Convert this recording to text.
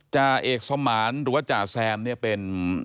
จาเอกส์สมรรณหรือว่าจาแซมเนี่ยเป็น